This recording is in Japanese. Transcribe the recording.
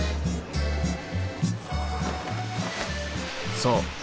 そう。